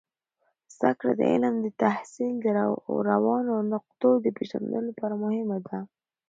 زده کړه د علم د تحصیل د روانو نقطو د پیژندلو لپاره مهمه ده.